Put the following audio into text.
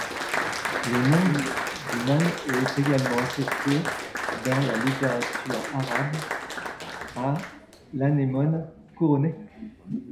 Le nom Nuʿman est également associé dans la littérature arabe à l'anémone couronnée.